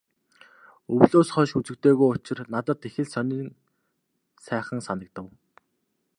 Өвлөөс хойш үзэгдээгүй учир надад их л сонин сайхан санагдав.